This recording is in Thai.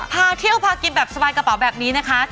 พาเที่ยวพากินแบบสบายกระเป๋าแบบนี้นะคะ